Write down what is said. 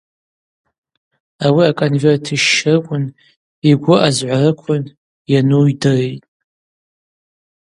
Ауи аконверт йщщрыквын, йгвы азгӏварыквын йану йдыритӏ.